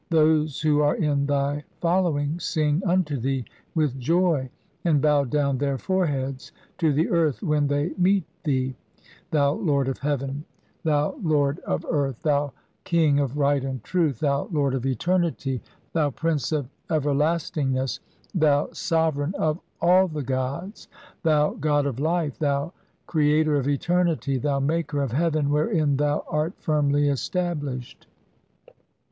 "Those who are in thy following sing unto thee with "joy and bow down their foreheads to the earth "when they meet thee, thou lord of heaven, thou lord THE JUDGMENT OE THE DEAD. XCVI1 "of earth, thou king of Right and Truth, thou lord "of eternity, thou prince of everlastingncss, thou so vereign of all the gods, thou god of life, thou crea "tor ot eternity, thou maker of heaven wherein thou "art firmly established.